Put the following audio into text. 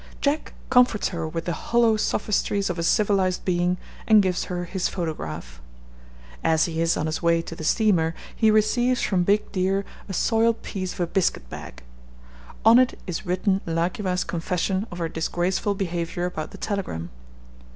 Jack comforts her with the hollow sophistries of a civilised being and gives her his photograph. As he is on his way to the steamer he receives from Big Deer a soiled piece of a biscuit bag. On it is written La ki wa's confession of her disgraceful behaviour about the telegram.